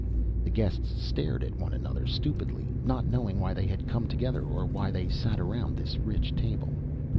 The guests stared at one another stupidly, not knowing why they had come together or why they sat around this rich table.